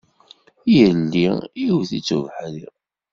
Yelli iwet-itt ubeḥri.